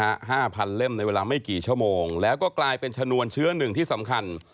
ห้าพันเล่มในเวลาไม่กี่ชั่วโมงแล้วก็กลายเป็นชนวนเชื้อหนึ่งที่สำคัญ